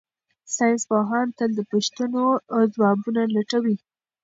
ساینس پوهان تل د پوښتنو ځوابونه لټوي.